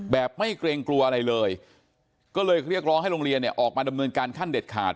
ไม่เกรงกลัวอะไรเลยก็เลยเรียกร้องให้โรงเรียนเนี่ยออกมาดำเนินการขั้นเด็ดขาด